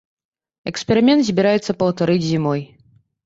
Эксперымент збіраюцца паўтарыць зімой.